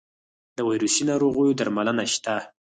د ویروسي ناروغیو درملنه شته؟